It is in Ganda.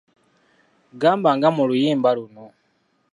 Gamba nga mu luyimba luno